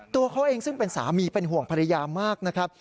ตัวเขาเองซึ่งเป็นสามีเป็นห่วงภรรยามากนะครับ